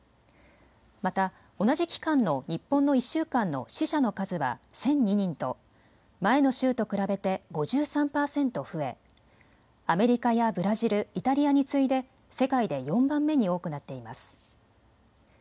また同じ期間の日本の１週間の死者の数は１００２人と前の週と比べて５３％増え、アメリカやブラジル、イタリアに次いで世界で４番目に多くなっています。